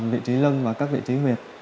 vị trí lưng và các vị trí huyệt